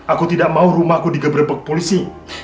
aku tidak mau rumahku digebrebek polisi